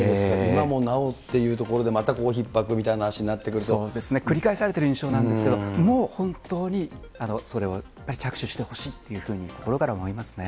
今もなおっていうところで、またひっ迫みたいな話になってく繰り返されている印象なんですけれども、もう本当にそれを着手してほしいという、心から思いますね。